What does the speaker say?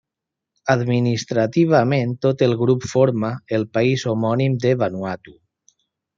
Administrativament tot el grup forma el país homònim de Vanuatu.